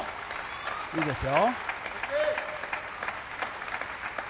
いいですよ。